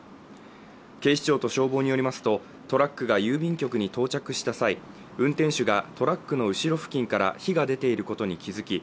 警視庁と消防によりますとトラックが郵便局に到着した際運転手がトラックの後ろ付近から火が出ていることに気付き